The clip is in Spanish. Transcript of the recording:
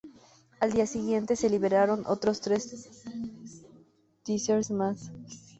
Al día siguiente se liberaron otros tres teasers más.